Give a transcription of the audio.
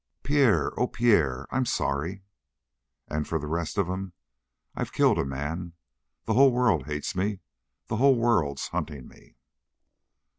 "Pierre! Oh, Pierre, I'm sorry!" "And for the rest of 'em, I've killed a man. The whole world hates me; the whole world's hunting me."